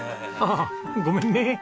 あっごめんね。